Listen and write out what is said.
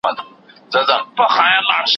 په يوه ګل نه پسرلی کېږي،